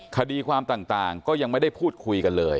คดีความต่างก็ยังไม่ได้พูดคุยกันเลย